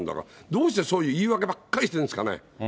どうしてそういう言い訳ばっかりしているんですかね。